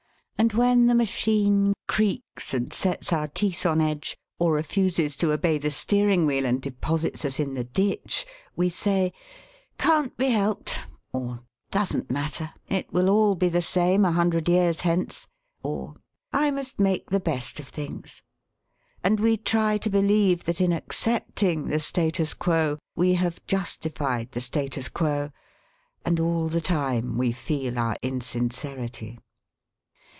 And when the machine creaks and sets our teeth on edge, or refuses to obey the steering wheel and deposits us in the ditch, we say: 'Can't be helped!' or 'Doesn't matter! It will be all the same a hundred years hence!' or: 'I must make the best of things.' And we try to believe that in accepting the status quo we have justified the status quo, and all the time we feel our insincerity.